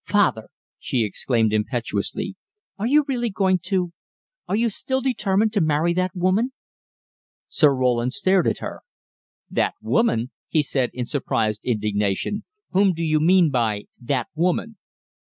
"Father," she exclaimed impetuously, "are you really going to are you still determined to marry that woman?" Sir Roland stared at her. "'That woman'?" he said in surprised indignation. "Whom do you mean by 'that woman'?"